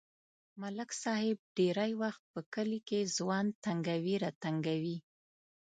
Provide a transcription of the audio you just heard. ملک صاحب ډېری وخت په کلي کې ځوان تنگوي راتنگوي.